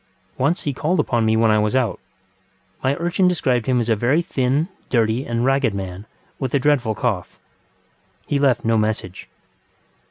Once he called upon me when I was out. My urchin described him as a very thin, dirty, and ragged man, with a dreadful cough. He left no message.